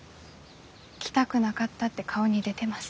来たくなかったって顔に出てます。